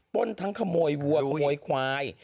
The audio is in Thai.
้นทั้งขโมยวัวขโมยควาย